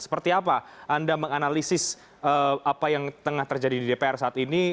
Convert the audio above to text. seperti apa anda menganalisis apa yang tengah terjadi di dpr saat ini